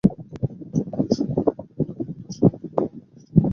তিনি উপযোগবাদ সম্পর্কে বেন্থামের দর্শনের প্রতি প্রবলভাবে আকৃষ্ট হন।